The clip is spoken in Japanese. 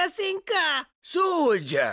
そうじゃ。